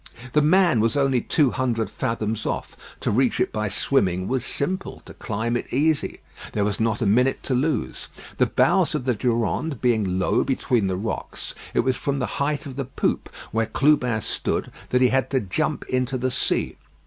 "The Man" was only two hundred fathoms off. To reach it by swimming was simple, to climb it easy. There was not a minute to lose. The bows of the Durande being low between the rocks, it was from the height of the poop where Clubin stood that he had to jump into the sea.